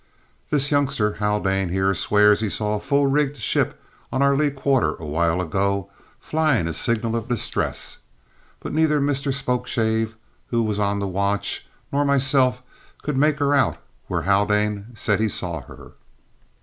"This youngster Haldane here swears he saw a full rigged ship on our lee quarter awhile ago, flying a signal of distress; but neither Mr Spokeshave, who was on the watch, nor myself, could make her out where Haldane said he saw her."